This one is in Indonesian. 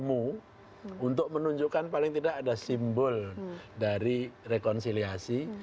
untuk menunjukkan paling tidak ada simbol dari rekonsiliasi